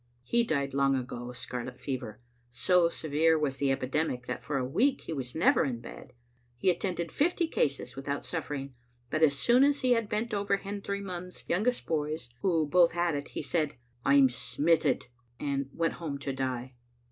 He died long ago of scarlet fever. So severe was the epidemic that for a week he was never in bed. He at tended fifty cases without suffering, but as soon as he had bent over Hendry Munn's youngest boys, who both had it, he said, "I*m smitted," and went home to die.